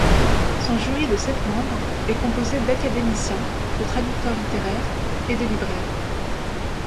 Son jury de sept membres est composé d’académiciens, de traducteurs littéraires et de libraires.